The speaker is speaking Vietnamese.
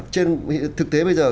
trên thực tế bây giờ